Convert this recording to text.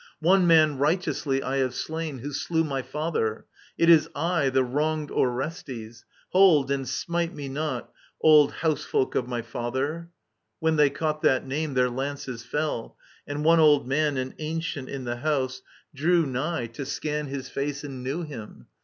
One man righteously I have slain, who slew my father. It is I, The wronged Orestes I Hold, and smite me not. Old housefolk of my father !'* When they caught That name, their lances fell. And one old man. An ancient in the house, drew nigh to scan His fece, and knew him.